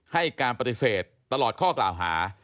ให้การปฏิเสธตลอดข้อกล่าวหา